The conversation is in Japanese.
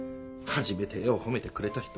初めて絵を褒めてくれた人。